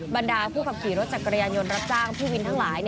บรรดาผู้ขับขี่รถจักรยานยนต์รับจ้างผู้วินทั้งหลาย